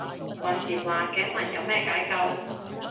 話時話頸紋有咩解救